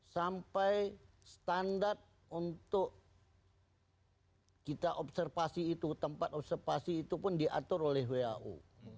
sampai standar untuk kita observasi itu tempat observasi itu pun diatur oleh wau